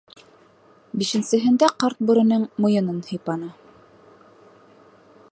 Бишенсеһендә ҡарт бүренең муйынын һыйпаны.